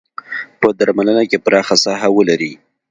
په درملنه کې پراخه ساحه ولري.